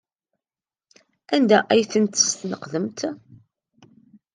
Anda ay tent-tesneqdemt?